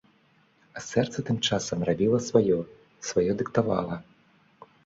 А сэрца тым часам рабіла сваё, сваё дыктавала.